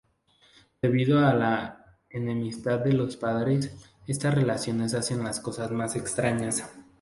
Debido a la enemistad de los padres, estas relaciones hacen las cosas más extrañas.